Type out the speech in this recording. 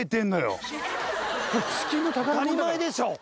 当たり前でしょ！